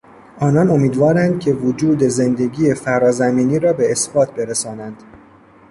آنان امیدوارند که وجود زندگی فرا زمینی را به اثبات برسانند.